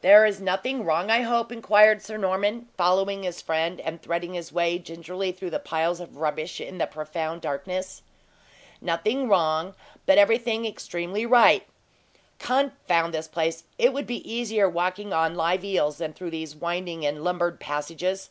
"There is nothing wrong, I hope?" inquired Sir Norman, following his friend, and threading his way gingerly through the piles of rubbish in the profound darkness. "Nothing wrong, but everything extremely right. Confound this place! It would be easier walking on live eels than through these winding and lumbered passages.